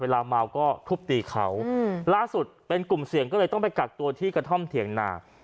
เวลาเมาก็ทุบมีเขาลไปกักตัวที่กระท่อมเถียงนาบ